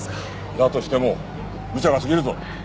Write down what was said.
だとしてもむちゃが過ぎるぞ。